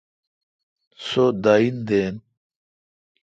سو داین دین۔